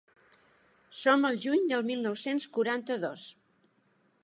Som al juny del mil nou-cents quaranta-dos.